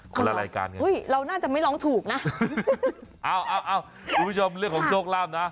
คนละรายการไงอุ้ยเราน่าจะไม่ร้องถูกนะเอาเอาเอาคุณผู้ชมเรื่องของโชคลาภนะ